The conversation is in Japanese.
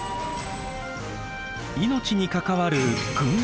命に関わる群集